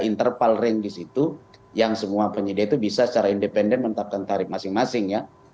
interval range di situ yang semua penyedia itu bisa secara independen menetapkan tarif masing masing ya